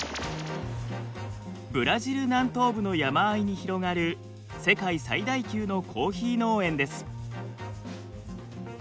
ブラジル南東部の山あいに広がる世界最大級のコーヒー農園です。